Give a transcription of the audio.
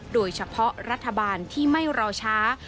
โดยเฉพาะรัฐบาลที่ไม่รอช้า